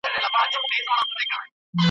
د ابا لورکۍ یؤ ځای ویل؛